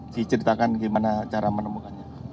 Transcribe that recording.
diceritakan gimana cara menemukannya